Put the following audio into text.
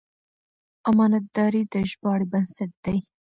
امانتداري د ژباړې بنسټ دی.